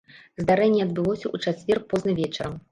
Здарэнне адбылося ў чацвер позна вечарам.